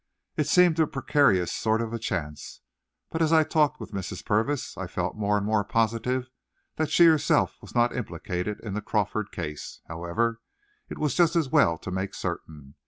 It seemed a precarious sort of a chance, but as I talked with Mrs. Purvis, I felt more and more positive that she herself was not implicated in the Crawford case. However, it was just as well to make certain.